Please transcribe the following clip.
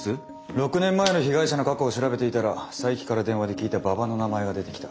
６年前の被害者の過去を調べていたら佐伯から電話で聞いた馬場の名前が出てきた。